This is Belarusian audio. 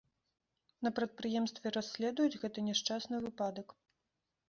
На прадпрыемстве расследуюць гэты няшчасны выпадак.